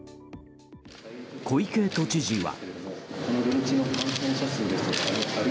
小池都知事は。